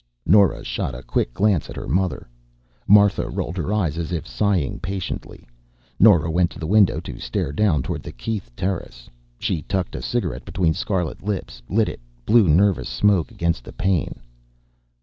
Nora shot a quick glance at her mother. Martha rolled her eyes as if sighing patiently. Nora went to the window to stare down toward the Keith terrace. She tucked a cigaret between scarlet lips, lit it, blew nervous smoke against the pane.